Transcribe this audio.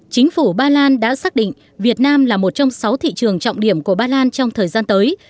chính phủ ba lan đã xác định việt nam là một trong sáu thị trường trọng điểm của ba lan trong thời gian tới